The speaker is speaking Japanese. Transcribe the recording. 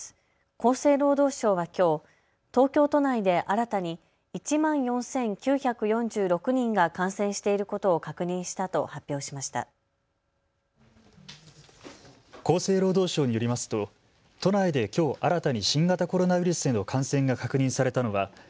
厚生労働省はきょう東京都内で新たに１万４９４６人が感染していることを確認したと発表しました。